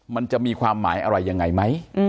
มันจะมีความหมายอะไรยังไงไหม